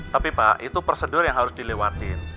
tapi pak itu prosedur yang harus dilewatin